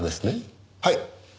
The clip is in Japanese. はい。